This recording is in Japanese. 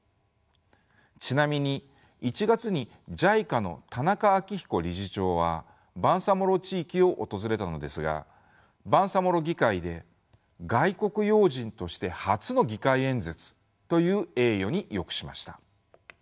ちなみに１月にＪＩＣＡの田中明彦理事長はバンサモロ地域を訪れたのですがバンサモロ議会で外国要人として初の議会演説という栄誉に浴しました。